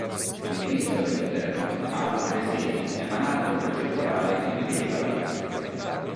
Il Ministro dell'Interno ha altresì emanato una circolare che impediva la trascrizione.